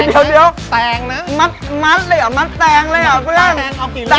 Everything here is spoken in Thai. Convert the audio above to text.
เดี๋ยวเพื่อน